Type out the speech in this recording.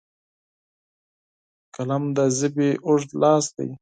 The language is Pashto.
قلم د ژبې اوږد لاس دی